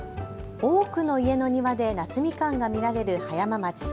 多くの家の庭で夏みかんが見られる葉山町。